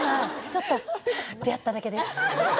ちょっと「はあ」ってやっただけです。